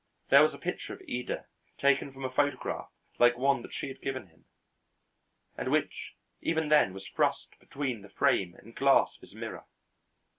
There was a picture of Ida taken from a photograph like one that she had given him, and which even then was thrust between the frame and glass of his mirror.